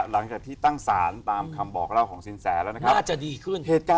หลังจากที่ตั้งสารตามคำบอกของซิ้นแสแล้วนะครับ